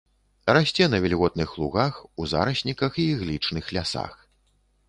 Расце на вільготных лугах, у зарасніках і іглічных лясах.